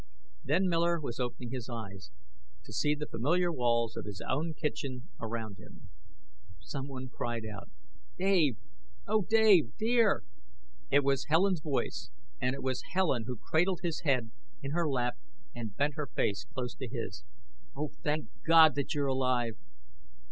Then Miller was opening his eyes, to see the familiar walls of his own kitchen around him! Someone cried out. "Dave! Oh, Dave, dear!" It was Helen's voice, and it was Helen who cradled his head in her lap and bent her face close to his. "Oh, thank God that you're alive